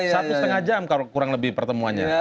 satu setengah jam kalau kurang lebih pertemuannya